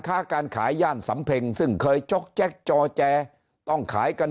ค้าการขายย่านสำเพ็งซึ่งเคยจกแจ็คจอแจต้องขายกัน